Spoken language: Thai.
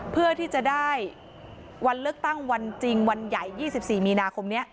เพื่อที่จะได้วันเลือกตั้งวันจริงวันใหญ่๒๔มีนาคมนี้